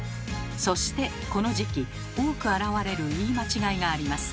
そしてこの時期多く現れる言い間違いがあります。